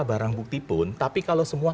barang bukti pun tapi kalau semua